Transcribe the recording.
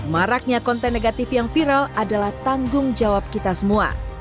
maraknya konten negatif yang viral adalah tanggung jawab kita semua